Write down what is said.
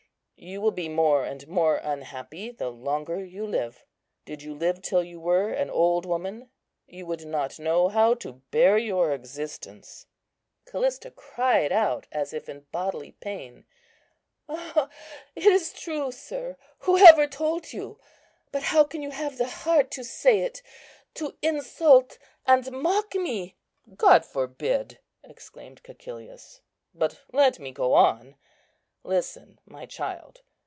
You will be more and more unhappy the longer you live. Did you live till you were an old woman, you would not know how to bear your existence." Callista cried out as if in bodily pain, "It is true, sir, whoever told you. But how can you have the heart to say it, to insult and mock me!" "God forbid!" exclaimed Cæcilius, "but let me go on. Listen, my child.